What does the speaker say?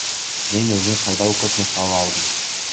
Мен өзүмө пайдалуу көп нерсе ала алдым.